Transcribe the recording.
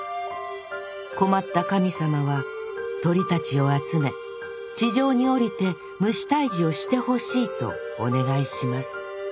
困った神様は鳥たちを集め地上に降りて虫退治をしてほしいとお願いします。